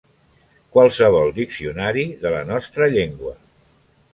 Qualsevol diccionari de la nostra llengua.